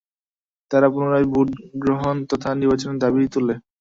তারা পুনরায় ভোট গ্রহণ তথা নির্বাচনের দাবি তোলে।